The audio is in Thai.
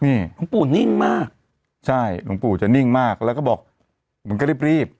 นี่หลวงปู่นิ่งมากใช่หลวงปู่จะนิ่งมากแล้วก็บอกมันก็รีบรีบ